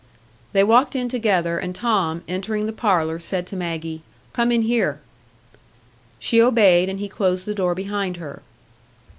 They walked in together, and Tom, entering the parlour, said to Maggie, "Come in here." She obeyed, and he closed the door behind her.